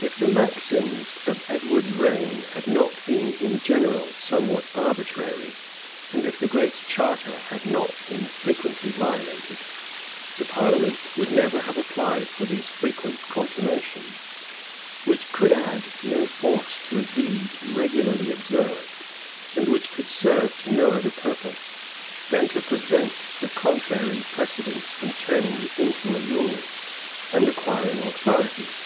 If the maxims of Edward's reign had not been in general somewhat arbitrary, and if the Great Charter had not been frequently violated, the parliament would never have applied for these frequent confirmations, which could add no force to a deed regularly observed, and which could serve to no other purpose, than to prevent the contrary precedents from turning into a rule, and acquiring authority.